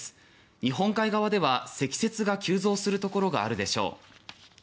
日本海側では、積雪が急増するところがあるでしょう。